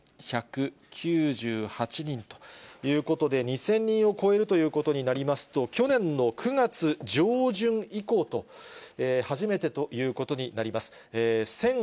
２１９８人ということで、２０００人を超えるということになりますと、去年の９月上旬以降と、初めてということになります。